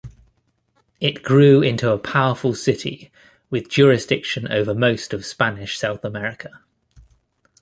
It grew into a powerful city, with jurisdiction over most of Spanish South America.